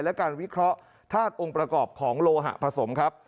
และการวิเคราะห์ท่าทองค์ประกอบของโลหะผสม